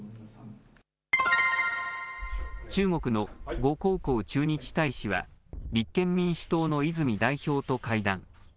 中国の呉江浩駐日大使は、立憲民主党の泉代表と会談。